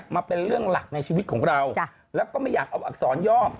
มาเป็นเรื่องหลักในชีวิตของเราแล้วก็ไม่อยากเอาอักษรย่อม